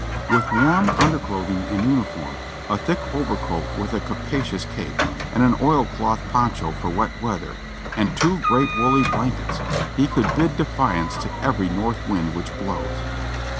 With warm un derclothing and uniform, a thick overcoat with a capacious cape, and oilcloth poncho for wet weather, and two great woolly blankets, he could bid defiance to every north wind which blows.